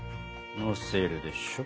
のせるでしょ。